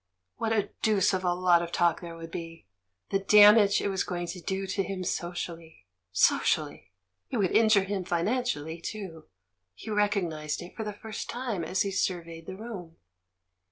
What a deuce of a lot of talk there would be ! the damage it was going to do him socially! So cially? It would injure him financially, too; he recognised it for the first time as he surveyed the room.